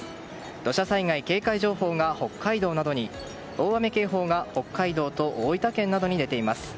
土砂災害警戒情報が北海道などに大雨警報が北海道と大分県などに出ています。